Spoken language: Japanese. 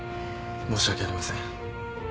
申し訳ありません。